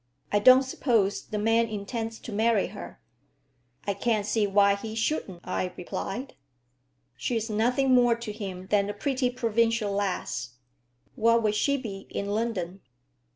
I don't suppose the man intends to marry her." "I can't see why he shouldn't," I replied. "She's nothing more to him than a pretty provincial lass. What would she be in London?"